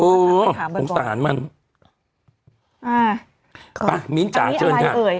อุ๊ยของสนานมันอ่าปะมิ้นจ๋าเชิญค่ะอันนี้อะไรเอ๋ย